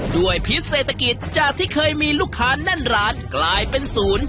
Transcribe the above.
พิษเศรษฐกิจจากที่เคยมีลูกค้าแน่นร้านกลายเป็นศูนย์